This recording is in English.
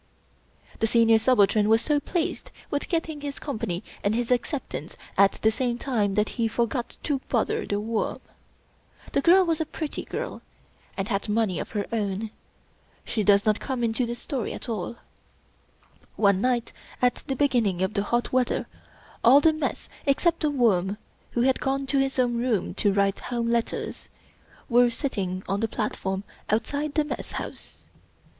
The Senior Subaltern was so pleased with getting his Company and his acceptance at the same time that he for got to bother The Worm. The girl was a pretty girl, and had money of her own. She does not come into this story at all. One night, at beginning of the hot weather, all the Mess, except The Worm who had gone to his own room to write Home letters, were sitting on the platform outside the Mess House.